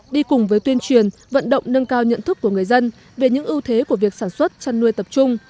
đi cùng với tuyên truyền vận động nâng cao nhận thức của người dân về những ưu thế của việc sản xuất chăn nuôi tập trung